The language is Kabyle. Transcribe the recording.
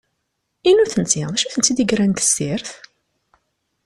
I nutenti, d acu i tent-id-igren di tessirt?